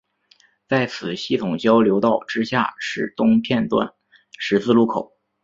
在此系统交流道之下是东片端十字路口。